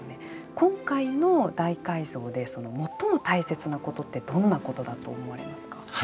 今回の大改造でその最も大切なことってどんなことだと思われますか。